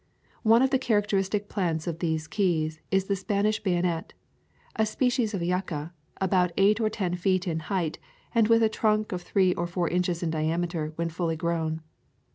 One of the characteristic plants of these keys is the Spanish bayonet, a species of yucca, about eight or ten feet in height, and with a trunk three or four inches in diameter when full grown.